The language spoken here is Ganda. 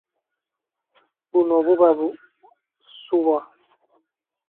Buno buba busuwa.